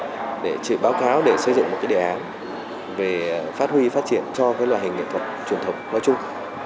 tổ chức cũng sẽ xây dựng báo cáo để xây dựng một cái đề án về phát huy phát triển cho loài hình nghệ thuật truyền thống nói chung